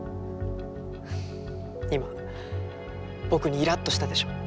今僕にイラッとしたでしょ？